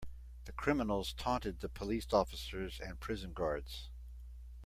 The criminals taunted the police officers and prison guards.